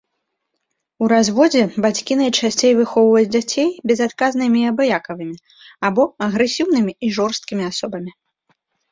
У разводзе бацькі найчасцей выхоўваюць дзяцей безадказнымі і абыякавымі або агрэсіўнымі і жорсткімі асобамі.